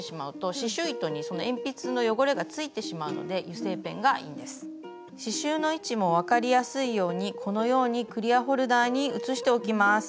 刺しゅうの位置も分かりやすいようにこのようにクリアホルダーに写しておきます。